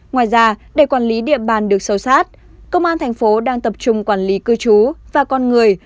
ngoài ra để quản lý địa bàn được sâu sát công an thành phố đang tập trung quản lý cư trú và con người